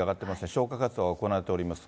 消火活動が行われております。